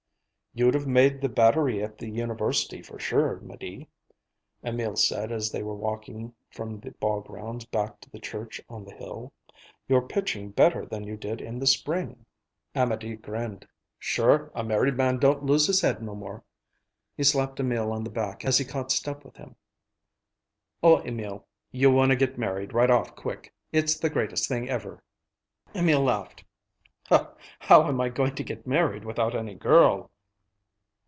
"You'd have made the battery at the University for sure, 'Médée," Emil said as they were walking from the ball grounds back to the church on the hill. "You're pitching better than you did in the spring." Amédée grinned. "Sure! A married man don't lose his head no more." He slapped Emil on the back as he caught step with him. "Oh, Emil, you wanna get married right off quick! It's the greatest thing ever!" Emil laughed. "How am I going to get married without any girl?"